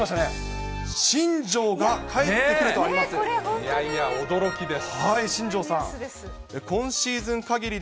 いやいや、驚きです。